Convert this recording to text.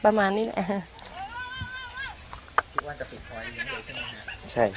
คิดว่าจะปิดสอยเลี้ยงเลยใช่มั้ยครับ